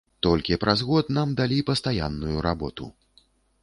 Толькі праз год нам далі пастаянную работу.